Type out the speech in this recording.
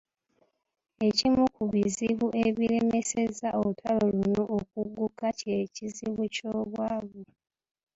Ekimu ku bizibu ebiremesezza olutalo luno okugguka kye kizibu ky’obwavu.